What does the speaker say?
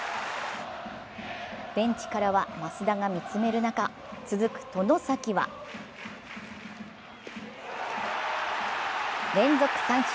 ベンチからは益田が見つめる中、続く外崎は連続三振。